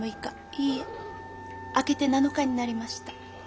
いいえ明けて７日になりました。